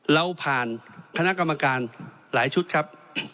เราผ่านคณะกรรมการหลายชุดครับ